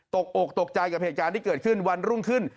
อกตกใจกับเหตุการณ์ที่เกิดขึ้นวันรุ่งขึ้น